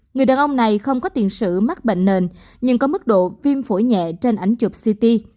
người đàn ông này không có tiền sử mắc bệnh nền nhưng có mức độ viêm phổi nhẹ trên ảnh chụp ct